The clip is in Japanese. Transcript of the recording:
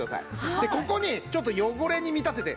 でここにちょっと汚れに見立ててゴマのペースト。